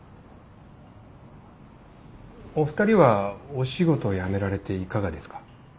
お二人はお仕事辞められていかがですか？